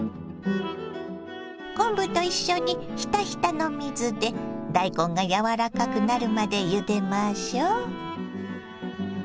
昆布と一緒にひたひたの水で大根が柔らかくなるまでゆでましょ。